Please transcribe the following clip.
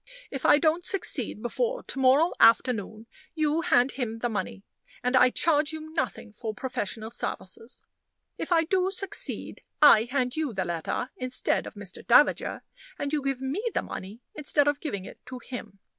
If I don't succeed before to morrow afternoon, you hand him the money, and I charge you nothing for professional services. If I do succeed, I hand you the letter instead of Mr. Davager, and you give me the money instead of giving it to him.